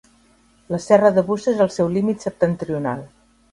La serra de Busa és el seu límit septentrional.